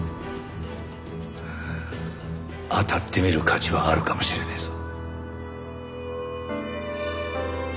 あたってみる価値はあるかもしれねえぞ。